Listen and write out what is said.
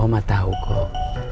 oma tahu kok